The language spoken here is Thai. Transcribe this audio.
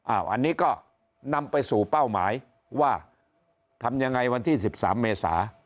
อันนี้ก็นำไปสู่เป้าหมายว่าทำยังไงวันที่๑๓เมษา